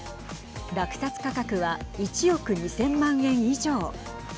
落札価格は１億２０００万円以上。